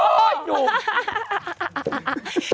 โอ้โหหยุด